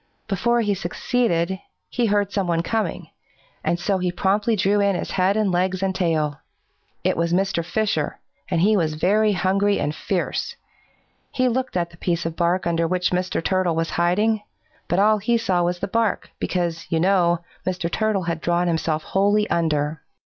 Before he succeeded, he heard someone coming, so he promptly drew in his head and legs and tail. It was Mr. Fisher, and he was very hungry and fierce. He looked at the piece of bark under which Mr. Turtle was hiding, but all he saw was the bark, because, you know, Mr. Turtle had drawn himself wholly under.